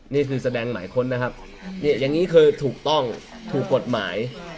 นี่คือแสดงหมายค้นนะครับเนี่ยอย่างนี้คือถูกต้องถูกกฎหมาย